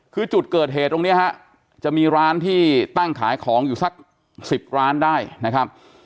คือจุดเกิดเหตุตรงนี้ฮะจะมีร้านที่ตั้งขายของอยู่สัก๑๐ร้านได้นะครับ